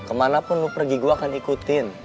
kemanapun pergi gue akan ikutin